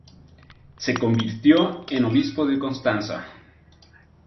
Se convirtió en obispo de Constanza.